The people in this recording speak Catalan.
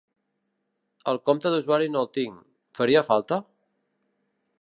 El compte d'usuari no el tinc, faria falta?